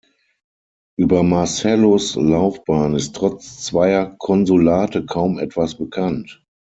Über Marcellus’ Laufbahn ist trotz zweier Konsulate kaum etwas bekannt.